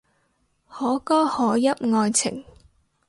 可歌可泣愛情